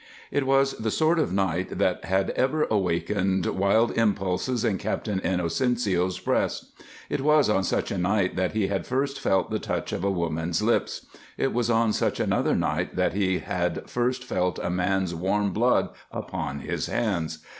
It was the sort of night that had ever wakened wild impulses in Captain Inocencio's breast. It was on such a night that he had first felt the touch of a woman's lips; it was on such another night that he had first felt a man's warm blood upon his hands.